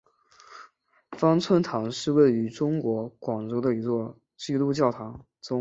芳村堂是位于中国广州的一座基督教堂。